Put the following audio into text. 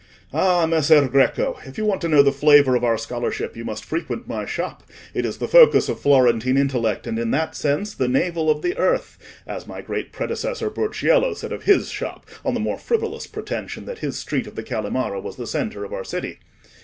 Ah, Messer Greco, if you want to know the flavour of our scholarship, you must frequent my shop: it is the focus of Florentine intellect, and in that sense the navel of the earth—as my great predecessor, Burchiello, said of his shop, on the more frivolous pretension that his street of the Calimara was the centre of our city.